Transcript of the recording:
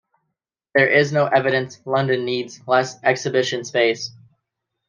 There is no evidence London needs less exhibition space.